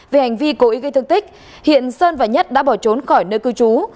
về hành vi cố ý gây thương tích hiện sơn và nhất đã bỏ trốn khỏi nơi cư trú